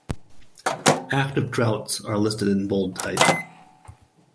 Active droughts are listed in bold type.